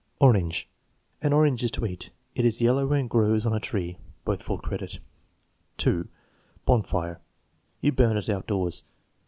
Orange. "An orange is to eat." "It is yellow and grows on a tree." (Both full credit.) 2. Bonfire. "You burn it outdoors."